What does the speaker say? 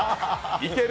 いける？